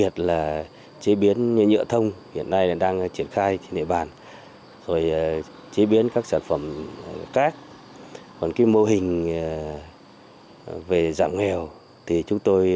trường tiêu thụ